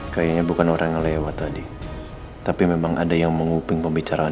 kayaknya bukan orang yang lewat tadi tapi memang ada yang menguping pembicaraan